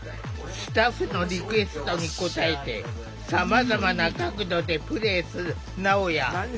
スタッフのリクエストに応えてさまざまな角度でプレイするなおや。